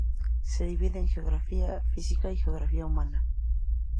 Se divide en geografía física y geografía humana.